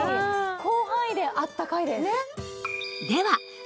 広範囲であったかいです。